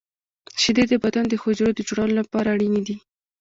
• شیدې د بدن د حجرو د جوړولو لپاره اړینې دي.